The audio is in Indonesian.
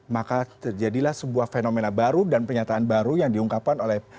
maka terjadilah sebuah fenomena baru dan pernyataan baru yang diungkapkan oleh